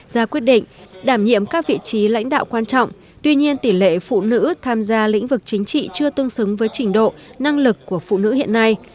ra quyết định đảm nhiệm các vị trí lãnh đạo quan trọng tuy nhiên tỷ lệ phụ nữ tham gia lĩnh vực chính trị chưa tương xứng với trình độ năng lực của phụ nữ hiện nay